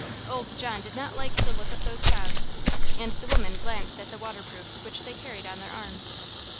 Old John did not like the look of those clouds, and the women glanced at the waterproofs which they carried on their arms.